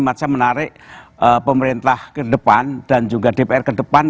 macam menarik pemerintah ke depan dan juga dpr ke depan